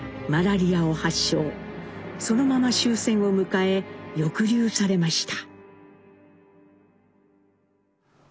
そのまま終戦を迎え抑留されました。